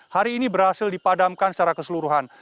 hari ini berhasil dipadamkan secara keseluruhan